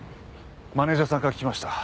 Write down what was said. マネジャーさんから聞きました。